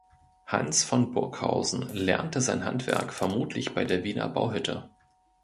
Hans von Burghausen lernte sein Handwerk vermutlich bei der Wiener Bauhütte.